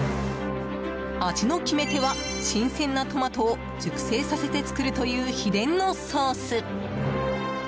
味の決め手は、新鮮なトマトを熟成させて作るという秘伝のソース。